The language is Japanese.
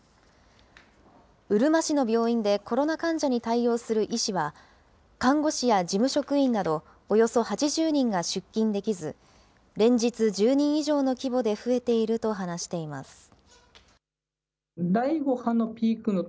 うるま市の病院でコロナ患者に対応する医師は、看護師や事務職員など、およそ８０人が出勤できず、連日１０人以上の規模で増えていると話しています。